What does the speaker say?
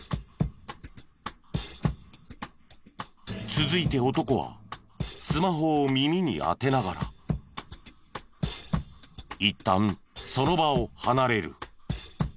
続いて男はスマホを耳に当てながらいったんその場を離れる。